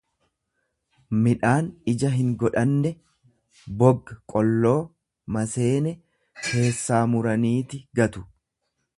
midhaan ija hingodhanne; Bogqolloo maseene keessaa muraniiti gatu.